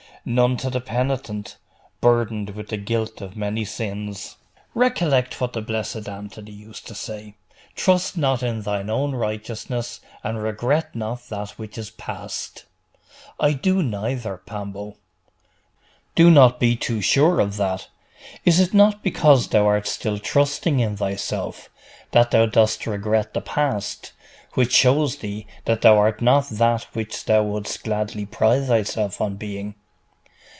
'None to the penitent, burdened with the guilt of many sins.' 'Recollect what the blessed Anthony used to say "Trust not in thine own righteousness, and regret not that which is past."' 'I do neither, Pambo.' 'Do not be too sure of that. Is it not because thou art still trusting in thyself, that thou dost regret the past, which shows thee that thou art not that which thou wouldst gladly pride thyself on being?